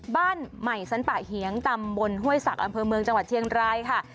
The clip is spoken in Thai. บ้านใหม่สันปะเหียงตำบลห้วยศักดิ์อำเภอเมืองจังหวัดเชียงรายค่ะ